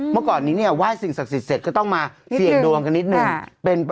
เมื่อก่อนนี้เนี่ยไหว้สิ่งศักดิ์สิทธิเสร็จก็ต้องมาเสี่ยงดวงกันนิดนึง